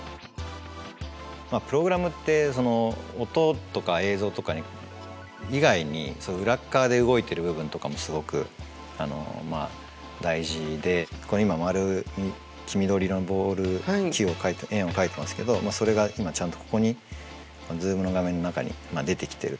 プログラムって音とか映像とか以外に裏っ側で動いてる部分とかもすごく大事でこれ今丸黄緑色のボール球を書いた円を書いてますけどそれが今ちゃんとここにＺｏｏｍの画面の中に出てきてると。